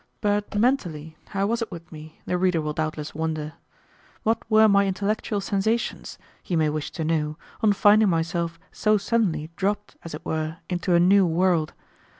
But mentally, how was it with me, the reader will doubtless wonder. What were my intellectual sensations, he may wish to know, on finding myself so suddenly dropped as it were into a new world.